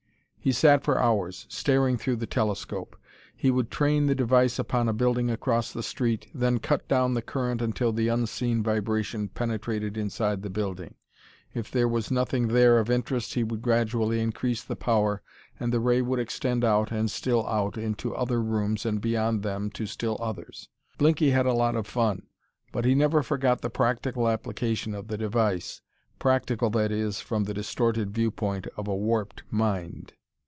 He sat for hours, staring through the telescope. He would train the device upon a building across the street, then cut down the current until the unseen vibration penetrated inside the building. If there was nothing there of interest he would gradually increase the power, and the ray would extend out and still out into other rooms and beyond them to still others. Blinky had a lot of fun, but he never forgot the practical application of the device practical, that is, from the distorted viewpoint of a warped mind.